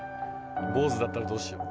ボウズだったらどうしよう。